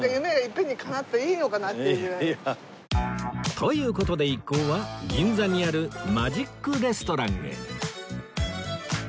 という事で一行は銀座にあるマジックレストランへ